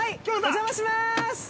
お邪魔しまーす。